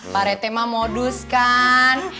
parete mah modus kan